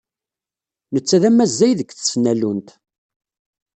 Netta d amazzay deg tesnallunt.